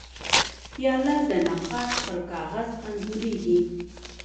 پیاله د نقاش پر کاغذ انځورېږي.